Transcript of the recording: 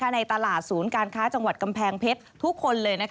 ในตลาดศูนย์การค้าจังหวัดกำแพงเพชรทุกคนเลย